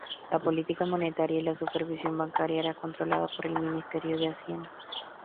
La política monetaria y la supervisión bancaria era controlada por el Ministerio de Hacienda.